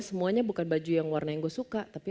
semuanya bukan baju yang warna yang gue suka tapi